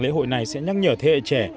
lễ hội này sẽ nhắc nhở thế hệ trẻ